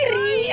tokom untuk kamu